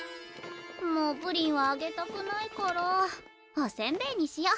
もうプリンはあげたくないからおせんべいにしよ。